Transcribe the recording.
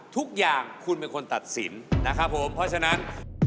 ทุกอย่างคุณเป็นคนตัดสินนะคะครับทั้งนี้